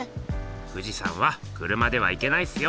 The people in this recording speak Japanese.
富士山は車では行けないっすよ。